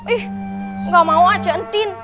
ih gak mau ah ce entin